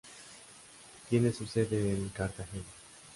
Tiene su sede en Cartagena.